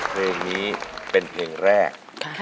เพลงนี้เป็นเพลงแรก